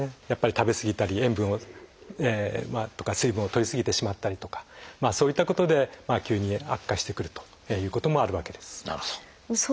やっぱり食べすぎたり塩分とか水分をとりすぎてしまったりとかそういったことで急に悪化してくるということもあるわけです。